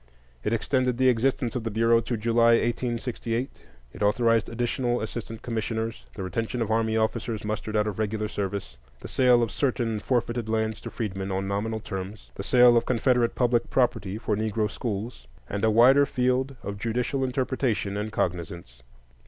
It extended the existence of the Bureau to July, 1868; it authorized additional assistant commissioners, the retention of army officers mustered out of regular service, the sale of certain forfeited lands to freedmen on nominal terms, the sale of Confederate public property for Negro schools, and a wider field of judicial interpretation and cognizance.